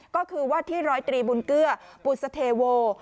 ก็คือว่าที่ร้อยตรีบุญเกลือปุศเทโว